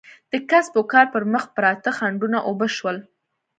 د کسب و کار پر مخ پراته خنډونه اوبه شول.